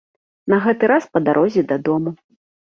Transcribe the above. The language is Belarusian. На гэты раз па дарозе дадому.